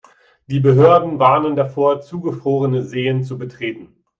Die Behörden warnen davor, zugefrorene Seen zu betreten.